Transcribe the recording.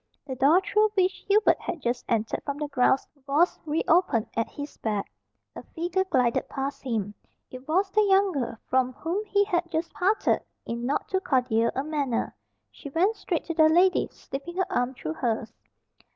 The door through which Hubert had just entered from the grounds was re opened at his back. A figure glided past him. It was the young girl from whom he had just parted in not too cordial a manner. She went straight to the lady, slipping her arm through hers.